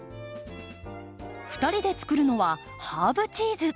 ２人で作るのはハーブチーズ。